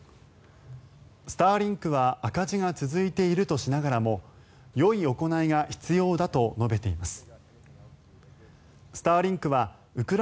スターリンクは赤字が続いているとしながらもよい行いが必要だと述べています。